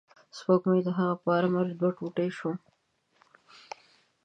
سپوږمۍ د هغه په امر دوه ټوټې شوه.